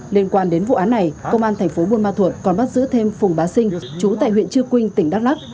liên quan đến vụ án này công an thành phố buôn ma thuột còn bắt giữ thêm phùng bá sinh chú tại huyện chư quynh tỉnh đắk lắc